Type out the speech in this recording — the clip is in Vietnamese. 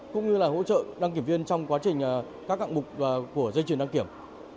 cũng như là hỗ trợ đăng kiểm viên trong quá trình các cặng bục của dây chuyển đăng kiểm